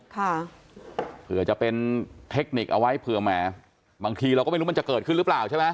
ค่ะเผื่อจะเป็นเทคนิคเอาไว้เผื่อแหมบางทีเราก็ไม่รู้มันจะเกิดขึ้นหรือเปล่าใช่ไหม